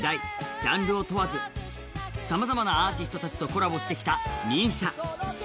ジャンルを問わず、さまざまなアーティストとコラボしてきたＭＩＳＩＡ。